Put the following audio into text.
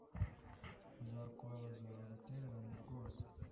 bazakubabaza bagutererane rwose